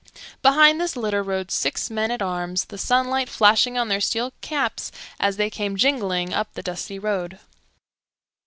Behind this litter rode six men at arms, the sunlight flashing on their steel caps as they came jingling up the dusty road.